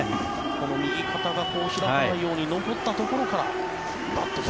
ここも右肩が開かないように残ったところからバッと。